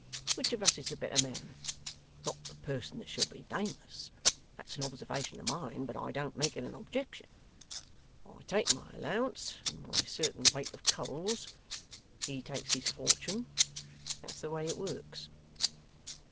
Which of us is the better man? Not the person that shall be nameless. That's an observation of mine, but I don't make it an objection. I take my allowance and my certain weight of coals. He takes his fortune. That's the way it works.